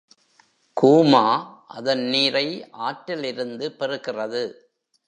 கூமா அதன் நீரை ஆற்றில் இருந்து பெறுகிறது.